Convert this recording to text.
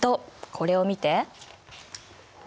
これを見て。